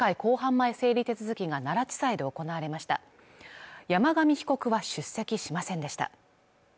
前整理手続きが奈良地裁で行われました山上被告は出席しませんでした